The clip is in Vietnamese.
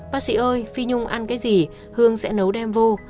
bác sĩ ơi phi nhung ăn cái gì hương sẽ nấu đem vô